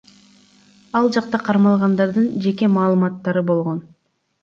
Ал жакта кармалгандардын жеке маалыматтары болгон.